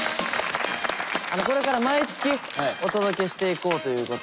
これから毎月お届けしていこうということで。